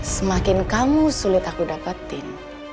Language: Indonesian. semakin kamu sulit aku dapetin